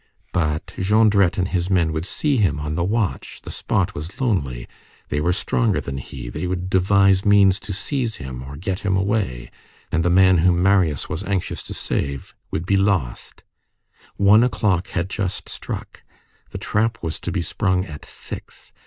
But Jondrette and his men would see him on the watch, the spot was lonely, they were stronger than he, they would devise means to seize him or to get him away, and the man whom Marius was anxious to save would be lost. One o'clock had just struck, the trap was to be sprung at six.